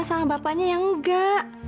sama bapaknya yang nggak